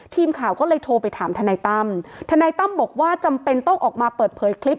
ทีมข่าวก็เลยโทรไปถามทนายตั้มทนายตั้มบอกว่าจำเป็นต้องออกมาเปิดเผยคลิป